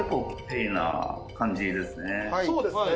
「そうですね」